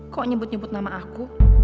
kok nyebut nyebut nama aku